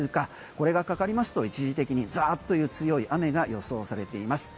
これがかかりますと一時的にザーという強い雨が予想されています。